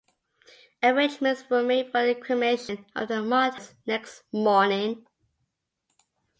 Arrangements were made for the cremation of the martyrs next morning.